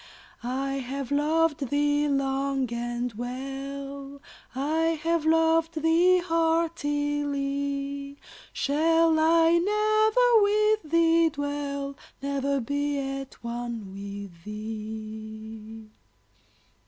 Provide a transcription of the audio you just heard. I have loved thee long and well, I have loved thee heartily; Shall I never with thee dwell, Never be at one with thee?